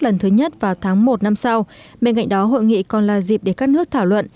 lần thứ nhất vào tháng một năm sau bên cạnh đó hội nghị còn là dịp để các nước thảo luận